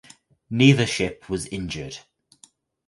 Neither ship was injured.